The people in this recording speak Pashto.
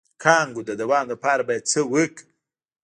د کانګو د دوام لپاره باید څه وکړم؟